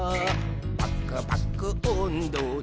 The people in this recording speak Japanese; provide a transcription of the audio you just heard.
「パクパクおんどで」